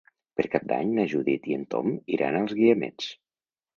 Per Cap d'Any na Judit i en Tom iran als Guiamets.